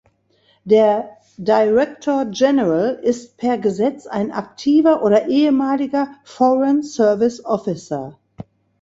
Der "Director General" ist per Gesetz ein aktiver oder ehemaliger "Foreign Service Officer".